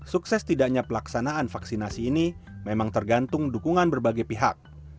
sukses tidaknya pelaksanaan vaksinasi ini memang tergantung dukungan berbagai pihak